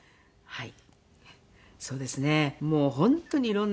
はい。